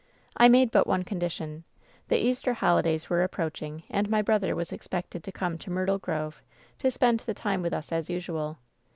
I made but one condition. The Easter holidays were approaching, and my brother was expected to come to Myrtle Grove to spend the time with us as usual.